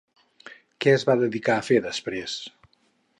Què es va dedicar a fer després?